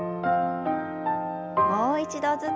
もう一度ずつ。